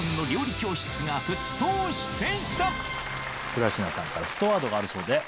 倉科さんから沸騰ワードがあるそうで。